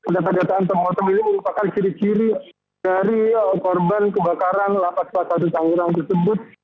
data data antemortem ini merupakan ciri ciri dari korban kebakaran delapan orang tersebut